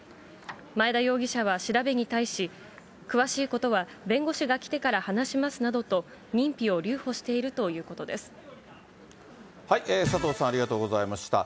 前田容疑者は調べに対し、詳しいことは弁護士が来てから話しますなどと、認否を留保してい佐藤さんありがとうございました。